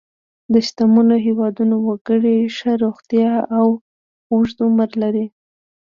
د شتمنو هېوادونو وګړي ښه روغتیا او اوږد عمر لري.